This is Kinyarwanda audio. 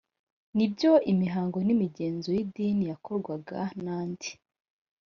n ibyo imihango n imigenzo y idini yakorwaga n andi